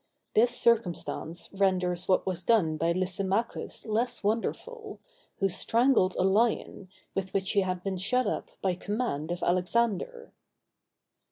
This circumstance renders what was done by Lysimachus less wonderful, who strangled a lion, with which he had been shut up by command of Alexander.